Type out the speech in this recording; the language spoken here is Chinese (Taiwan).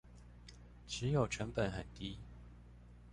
持有成本很低